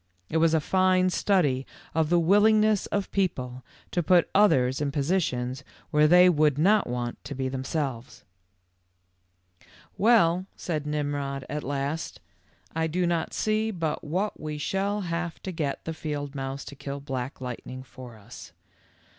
It was a fine study of the willingness of people to put others in positions where they would not want to be themselves. :? Well," said Nimrod at last, r 'Ido not see but what we shall have to get the field mouse to kill Black Lightning; for us.